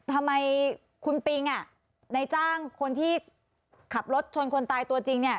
ทำไมคุณปิงอ่ะในจ้างคนที่ขับรถชนคนตายตัวจริงเนี่ย